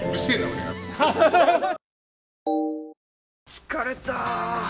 疲れた！